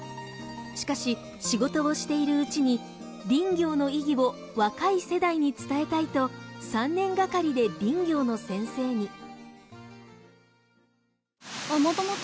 しかし仕事をしているうちに林業の意義を若い世代に伝えたいと３年がかりで林業の先生に。